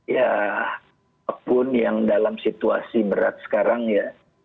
ya apapun yang dalam situasi berat sekarang ya